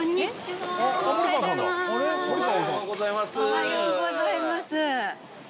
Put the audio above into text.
おはようございます。